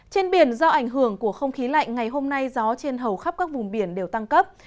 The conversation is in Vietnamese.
trên biển do ảnh hưởng của không khí lạnh ngày hôm nay gió trên hầu khắp các vùng biển đều tăng cấp